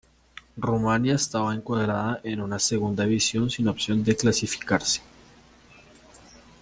Rumanía estaba encuadrada en una segunda división, sin opción de clasificarse.